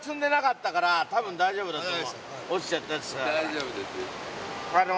大丈夫ですよ。